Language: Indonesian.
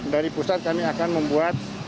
dari pusat kami akan membuat